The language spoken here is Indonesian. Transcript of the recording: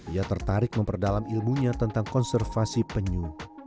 ia tertarik memperdalam ilmunya tentang konservasi penyu